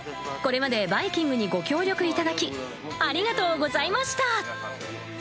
これまで「バイキング」にご協力いただきありがとうございました。